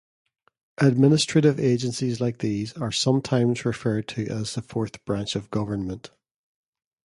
Administrative agencies like these are sometimes referred to as the Fourth Branch of government.